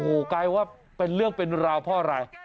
โอ้โหกลายว่าเป็นเรื่องเป็นราวเพราะอะไร